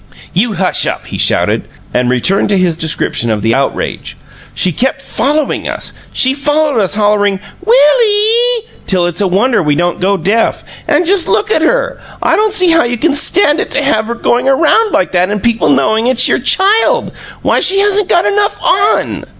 "You hush up!" he shouted, and returned to his description of the outrage. "She kept FOLLOWING us! She followed us, hollering, 'WILL EE!' till it's a wonder we didn't go deaf! And just look at her! I don't see how you can stand it to have her going around like that and people knowing it's your child! Why, she hasn't got enough ON!"